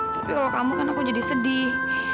tapi kalau kamu kan aku jadi sedih